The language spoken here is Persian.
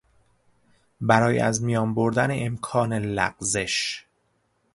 برای از میان بردن امکان لغزش